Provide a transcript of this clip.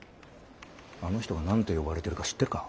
あの人が何て呼ばれてるか知ってるか？